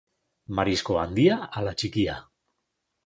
Marisko handia ala txikia?